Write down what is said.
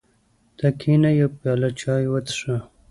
ته کېنه یوه پیاله چای وڅښه.